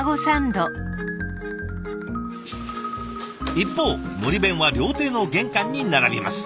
一方のり弁は料亭の玄関に並びます。